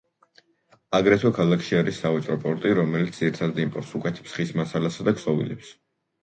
აგრეთვე ქალაქში არის სავაჭრო პორტი, რომელიც ძირითადად იმპორტს უკეთებს ხის მასალასა და ქსოვილებს.